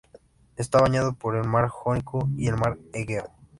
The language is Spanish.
Está bañado por el mar Jónico y el mar Egeo.